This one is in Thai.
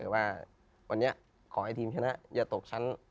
ว่าวันนี้ขอให้ทีมชนะอย่าตกชั้น